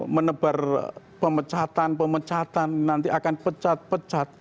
menebar pemecatan pemecatan nanti akan pecat pecat